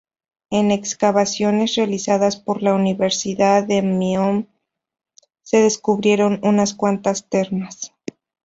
En excavaciones realizadas por la Universidade do Minho, se descubrieron unas cuantas termas.